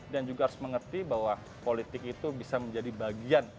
dan juga harus mengerti bahwa politik itu bisa menjadi bagian